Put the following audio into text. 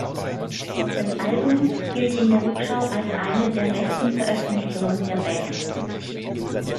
Das Album gilt in der Rückschau als eine der besten Veröffentlichungen der Band.